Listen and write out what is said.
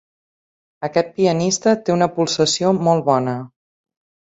Aquest pianista té una pulsació molt bona.